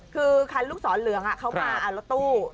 คือคันลูกศรเหลืองเขามารถตู้